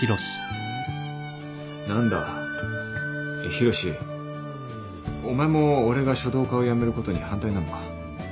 何だ浩志お前も俺が書道家を辞めることに反対なのか？